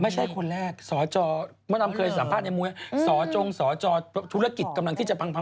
ไม่ใช่คนแรกสจมดำเคยสัมภาษณ์ในมุยสอจงสจธุรกิจกำลังที่จะพัง